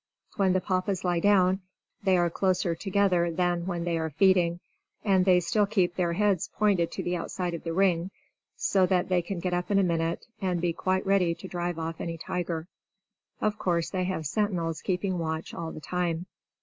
When the Papas lie down, they are closer together than when they are feeding; and they still keep their heads pointed to the outside of the ring, so that they can get up in a minute, and be quite ready to drive off any tiger. Of course they have sentinels keeping watch all the time.